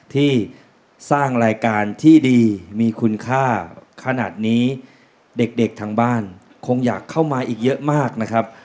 ที่สร้างรายการที่ดีมีคุณค่าขนาดนี้เด็กเด็กทางบ้านคงอยากเข้ามาอีกเยอะมากนะครับ